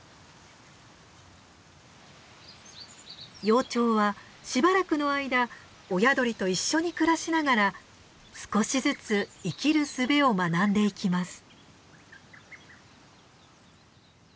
幼鳥はしばらくの間親鳥と一緒に暮らしながら少しずつ生きる術を学んでいきます。